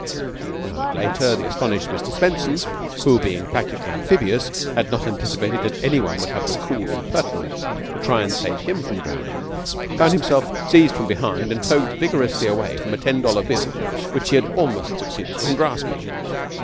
A moment later the astonished Mr. Swenson, who, being practically amphibious, had not anticipated that anyone would have the cool impertinence to try and save him from drowning, found himself seized from behind and towed vigorously away from a ten dollar bill which he had almost succeeded in grasping.